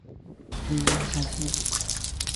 瓦尔德姆斯是德国黑森州的一个市镇。